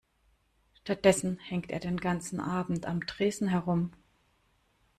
Stattdessen hängt er den ganzen Abend am Tresen herum.